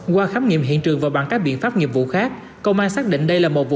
qua khám nghiệm hiện trường và bằng các biện pháp nghiệp vụ khác công an xác định đây là một vụ